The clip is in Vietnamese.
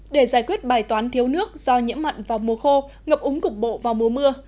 để giải quyết bài toán thiếu nước do nhiễm mặn vào mùa khô ngập úng cục bộ vào mùa mưa